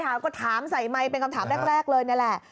ถามก็ถามใส่ไมค์เป็นคำถามแรกเลยนี่แหละ